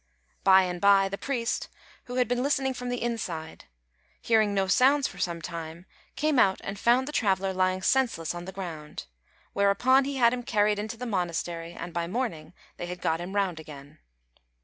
By and by the priest, who had been listening from the inside, hearing no sounds for some time, came out and found the traveller lying senseless on the ground; whereupon he had him carried into the monastery, and by morning they had got him round again.